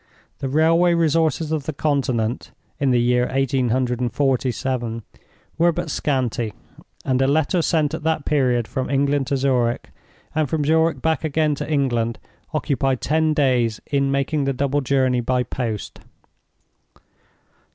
The railway resources of the Continent (in the year eighteen hundred and forty seven) were but scanty; and a letter sent at that period from England to Zurich, and from Zurich back again to England, occupied ten days in making the double journey by post.